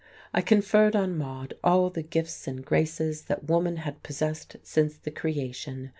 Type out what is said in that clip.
I conferred on Maude all the gifts and graces that woman had possessed since the creation.